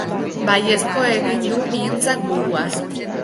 Baiezkoa egin du Ihintzak buruaz.